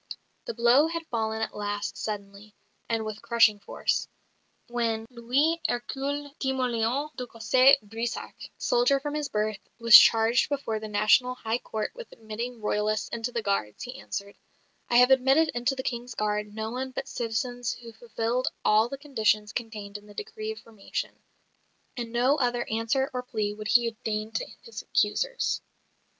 The blow had fallen at last, suddenly, and with crushing force. When "Louis Hercule Timoleon de Cossé Brissac, soldier from his birth," was charged before the National High Court with admitting Royalists into the Guards, he answered: "I have admitted into the King's Guards no one but citizens who fulfilled all the conditions contained in the decree of formation": and no other answer or plea would he deign to his accusers.